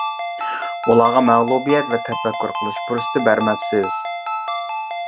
ئۇلارغا مەغلۇبىيەت ۋە تەپەككۇر قىلىش پۇرسىتى بەرمەپسىز.